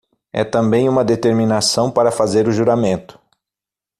É também uma determinação para fazer o juramento